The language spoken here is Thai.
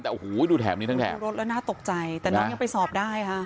แต่โอ้โหดูแถบนี้ทั้งแถบดูรถแล้วน่าตกใจแต่น้องยังไปสอบได้ค่ะ